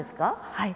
はい。